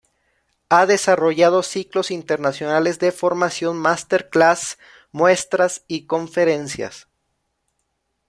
Ha desarrollado ciclos internacionales de formación, master class, muestras y conferencias.